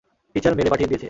Teacher মেরে পাঠিয়ে দিয়েছে।